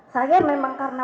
saya memang karena